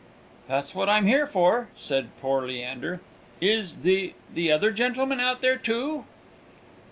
"That's what I'm here for," said poor Leander. "Is the the other gentleman out there too?"